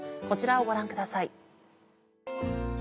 こちらをご覧ください。